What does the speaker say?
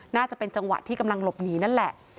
น่าจะเป็นจังหวะที่กำลังหลบหนีนั่นแหละ